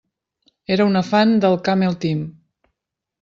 Era una fan del Camel Team.